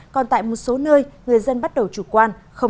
còn tại một số nơi người dân bắt đầu chủ quan